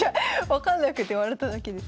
分かんなくて笑っただけです。